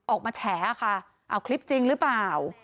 แฉค่ะเอาคลิปจริงหรือเปล่า